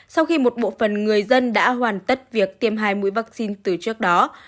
sau khi một bộ phần người dân đã hoàn tất việc tiêm hai mũi vaccine từ trước đó